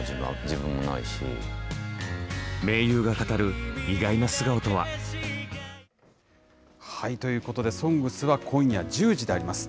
盟友が語る、意外な素顔とは。ということで、ＳＯＮＧＳは今夜１０時であります。